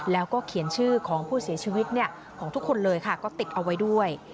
แล้วก็เขียนชื่อของผู้เสียชีวิตของทุกคนเลยค่ะก็ติดเอาไว้ด้วย